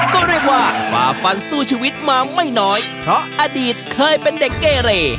ก็เรียกว่าฝ่าฟันสู้ชีวิตมาไม่น้อยเพราะอดีตเคยเป็นเด็กเกเร